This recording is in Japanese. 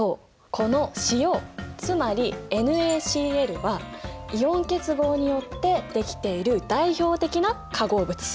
この塩つまりＮａＣｌはイオン結合によってできている代表的な化合物。